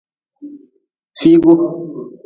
Figu.